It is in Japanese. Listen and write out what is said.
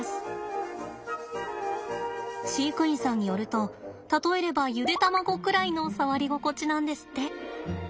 飼育員さんによると例えればゆで卵ぐらいの触り心地なんですって。